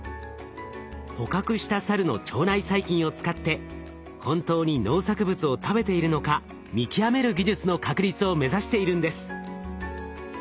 捕獲したサルの腸内細菌を使って本当に農作物を食べているのか見極める技術の確立を目指しているんです。